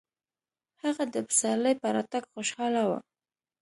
هغه د پسرلي په راتګ خوشحاله و.